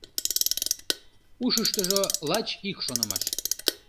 Ушыштыжо лач ик шонымаш: